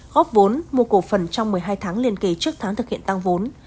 góp vốn mua cổ phần trong một mươi hai tháng liên kỳ trước tháng thực hiện tăng vốn